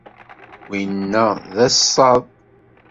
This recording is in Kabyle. Winna d asaḍ.